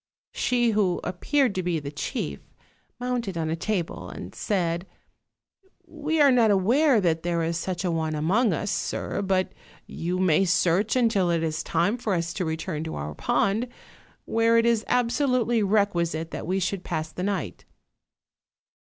She who appeared to be the chief mounted on a table and said: "We are not aware that there is such a one among us, sir, but you may search until it is time for us to return to our pond; where it is absolutely requisite that we should pass the night."